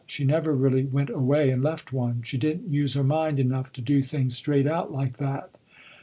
She never really went away and left one. She didn't use her mind enough to do things straight out like that.